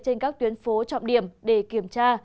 trên các tuyến phố trọng điểm để kiểm tra